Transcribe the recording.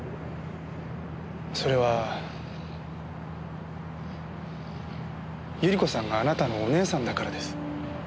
それは百合子さんがあなたのお姉さんだからです。